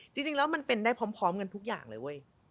จริงแล้วมันเป็นได้พร้อมกันทุกอย่างเลยเว้ย